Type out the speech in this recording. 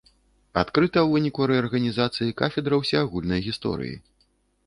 Адкрыта у выніку рэарганізацыі кафедра ўсеагульнай гісторыі.